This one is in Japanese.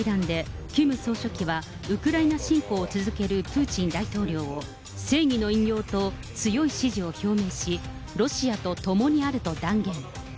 今回の会談で、キム総書記はウクライナ侵攻を続けるプーチン大統領を、正義の偉業と強い支持を表明し、ロシアと共にあると断言。